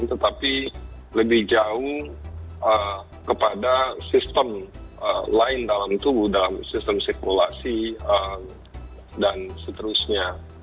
tetapi lebih jauh kepada sistem lain dalam tubuh dalam sistem sirkulasi dan seterusnya